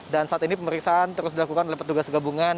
dan saat ini pemeriksaan terus dilakukan lewat tugas gabungan